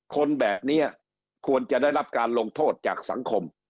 คนแบบนี้ควรจะได้รับการลงโทษจากสังคม